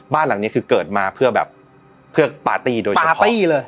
บ้านหลังนี้คือเกิดมาเพื่อแบบเพื่อปาร์ตี้โดยปาร์ตี้เลย